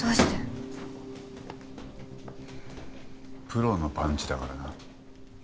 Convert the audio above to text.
プロのパンチだからな。